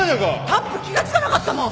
タップ気が付かなかったもん。